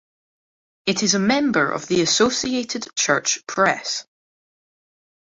It is a member of the Associated Church Press.